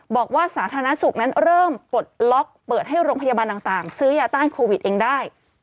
สาธารณสุขนั้นเริ่มปลดล็อกเปิดให้โรงพยาบาลต่างซื้อยาต้านโควิดเองได้